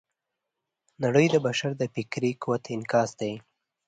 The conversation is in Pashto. نړۍ د بشر د فکري قوت انعکاس دی.